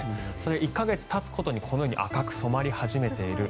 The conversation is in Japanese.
１か月たつごとに、このように赤く染まり始めている。